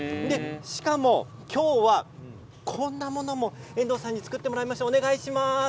しかも、今日はこんなものも遠藤さんに作っていただきました。